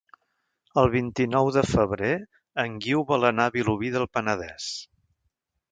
El vint-i-nou de febrer en Guiu vol anar a Vilobí del Penedès.